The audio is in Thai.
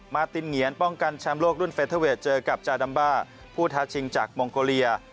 ตินเหงียนป้องกันแชมป์โลกรุ่นเฟเทอร์เวทเจอกับจาดัมบ้าผู้ท้าชิงจากมองโกเลีย